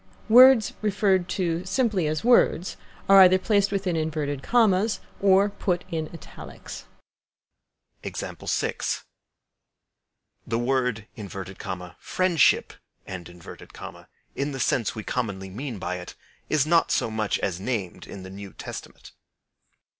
Words referred to simply as words are either placed within inverted commas or put in italics. The word "friendship," in the sense we commonly mean by it, is not so much as named in the New Testament.